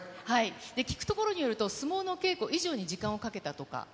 聞くところによると、相撲の稽古以上に時間をかけたとか？